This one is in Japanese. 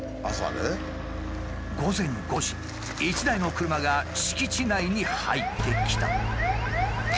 午前５時１台の車が敷地内に入ってきた。